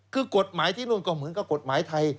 คือกฎหมายที่นู่นก็เหมือนกับกฎหมายไทย